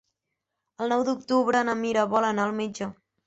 El nou d'octubre na Mira vol anar al metge.